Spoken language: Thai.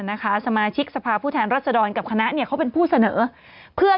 นะคะสมาชิกสภาพผู้แทนรัศดรกับคณะเนี่ยเขาเป็นผู้เสนอเพื่อ